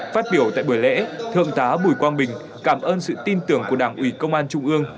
phát biểu tại buổi lễ thượng tá bùi quang bình cảm ơn sự tin tưởng của đảng ủy công an trung ương